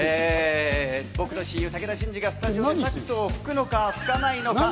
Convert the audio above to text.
僕の親友・武田真治がスタジオでサックスを吹くのか吹かないのか？